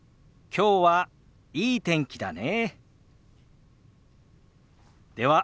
きょうはいい天気だね。